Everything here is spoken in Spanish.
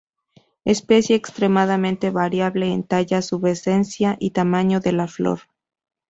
Especie extremadamente variable en talla, pubescencia y tamaño de la flor.